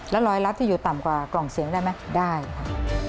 แล้วรอยรัดที่อยู่ต่ำกว่ากล่องเสียงได้ไหมได้ค่ะ